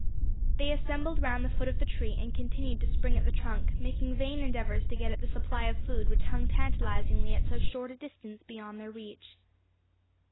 They assembled round the foot of the tree, and continued to spring at the trunk, making vain endeavours to get at the supply of food which hung tantalizingly at so short a distance beyond their reach.